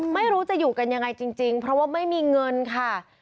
ไม่รู้จะอยู่กันยังไงจริงเพราะว่าไม่มีเงินค่ะ